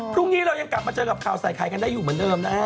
พรุ่งนี้เรายังกลับมาเจอกับข่าวใส่ไข่กันได้อยู่เหมือนเดิมนะฮะ